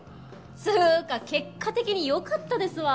つうか結果的によかったですわ！